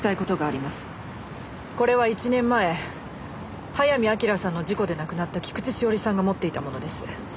これは１年前早見明さんの事故で亡くなった菊地詩織さんが持っていたものです。